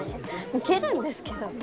ウケるんですけど。